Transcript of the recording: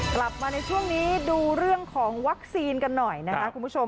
กลับมาในช่วงนี้ดูเรื่องของวัคซีนกันหน่อยนะคะคุณผู้ชม